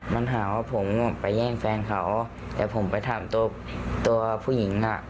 มันหาว่าผมไปแย่งแฟนเขาแต่ผมไปถามตัวตัวผู้หญิงน่ะ